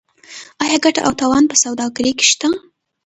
آیا ګټه او تاوان په سوداګرۍ کې شته؟